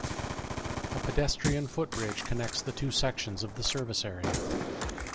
A pedestrian footbridge connects the two sections of the service area.